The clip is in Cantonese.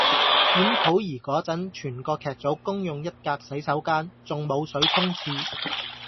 演溥儀個陣，全個劇組公用一格洗手間，仲冇水沖廁